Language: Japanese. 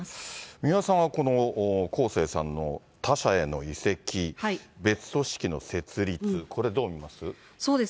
三輪さんはこのコーセーさんの他社への移籍、別組織の設立、これどう見ます？